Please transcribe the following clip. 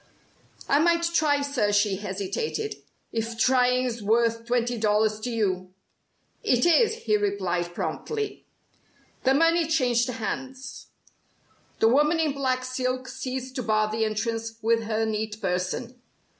"I might try, sir," she hesitated. "If trying's worth twenty dollars to you." "It is," he replied, promptly. The money changed hands. The woman in black silk ceased to bar the entrance with her neat person.